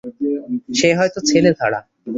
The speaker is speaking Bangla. সে হয়তো ছেলেধরা।